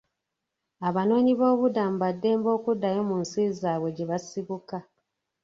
Abanoonyiboobubudamu ba ddembe okuddayo mu nsi zaabwe gye basibuka.